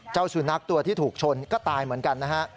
เจ้าสุนัขตัวที่ถูกชนก็ตายเหมือนกันนะฮะ